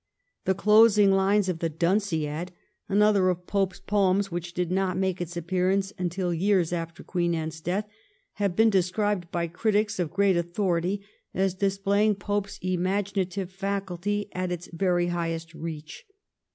The closing lines of 'The Dunciad,' another of Pope's poems which did not make its appearance until years after Queen Anne's death, have been described by critics of great authority as displaying Pope's imaginative faculty at its very highest reach.